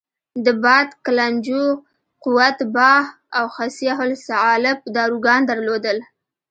د باد کلنجو، قوت باه او خصیه الصعالب داروګان درلودل.